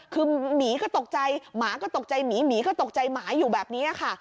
คือหมีก็ตกใจหมาก็ตกใจหมีหมีก็ตกใจหมาอยู่แบบนี้ค่ะ